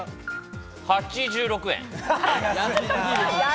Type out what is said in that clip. ８６円。